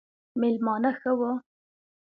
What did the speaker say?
مېلمانه ښه وو